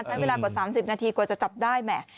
ใช้เวลากว่า๓๐นาทีกว่าจะจับได้แหม